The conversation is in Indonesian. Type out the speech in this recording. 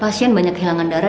pasien banyak kehilangan darah